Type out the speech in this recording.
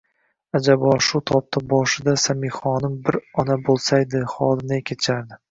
Ajabo, shu tobda boshida Samihaxonim bir ona bo'lsaydi, holi ne kechardi?